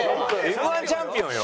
Ｍ−１チャンピオンよ？